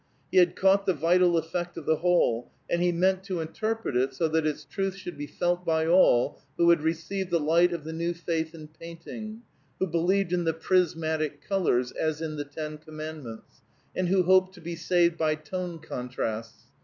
He had caught the vital effect of the whole, and he meant to interpret it so that its truth should be felt by all who had received the light of the new faith in painting, who believed in the prismatic colors as in the ten commandments, and who hoped to be saved by tone contrasts.